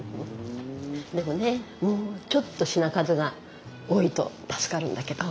でもねもうちょっと品数が多いと助かるんだけど。